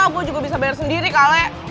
gue juga bisa bayar sendiri kale